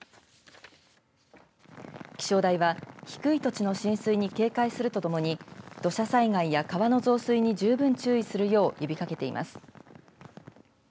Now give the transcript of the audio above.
気象台は、低い土地の浸水に警戒するとともに土砂災害や川の増水に十分注意するよう呼びかけています。